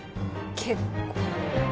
結構。